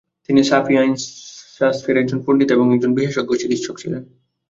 তিনি শাফিঈ আইনশাস্ত্রের একজন পন্ডিত এবং একজন বিশেষজ্ঞ চিকিৎসক ছিলেন।